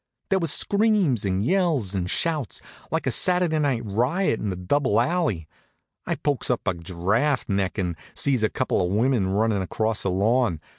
There was screams and yells and shouts, like a Saturday night riot in Double Alley. I pokes up a giraffe neck and sees a couple of women runnin' across the lawn.